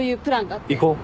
行こう。